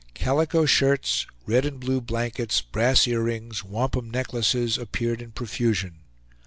Calico shirts, red and blue blankets, brass ear rings, wampum necklaces, appeared in profusion.